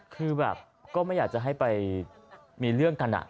คือแบบก็ไม่อยากจะให้ไปมีเรื่องกัน